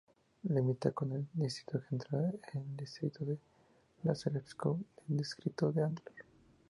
Limita con el distrito Central, el distrito de Lázarevskoye y el distrito de Ádler.